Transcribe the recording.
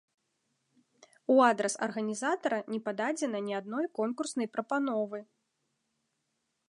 У адрас арганізатара не пададзена ні адной конкурснай прапановы.